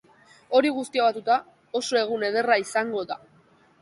Hori guztia batuta, oso egun ederra izango da.